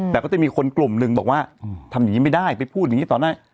แต่ก็จะมีคนกลุ่มหนึ่งบอกว่าทำอย่างนี้ไม่ได้ไปพูดอย่างนี้ต่อได้